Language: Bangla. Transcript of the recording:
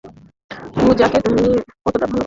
পুজাকে তুমি কতটা ভালোবাসো?